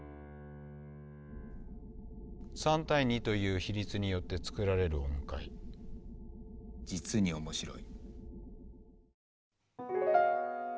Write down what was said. ３対２という比率によって作られる音階実に面白い。